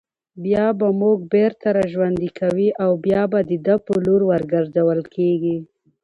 بيا مو بېرته راژوندي كوي او بيا د ده په لور ورگرځول كېږئ